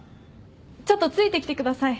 ちょっとついてきてください。